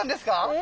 え？